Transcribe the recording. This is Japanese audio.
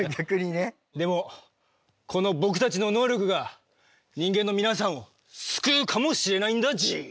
でもこの僕たちの能力が人間の皆さんを救うかもしれないんだＧ。